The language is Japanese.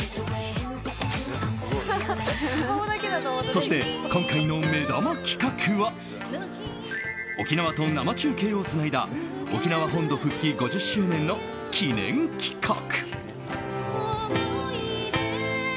そして、今回の目玉企画は沖縄と生中継をつないだ沖縄本土復帰５０周年の記念企画。